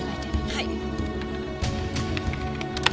はい。